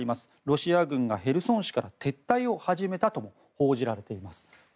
ロシア軍がヘルソン市から撤退を始めたとも報じられています。